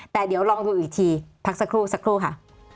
แต่เดี๋ยวลองดูอีกทีพักสักครู่สักครู่ค่ะ